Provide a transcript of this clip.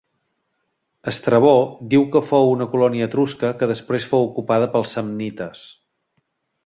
Estrabó diu que fou una colònia etrusca que després fou ocupada pels samnites.